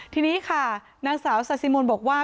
ทีนี้ค่ะนางสาวซาซิมนต์บอกว่า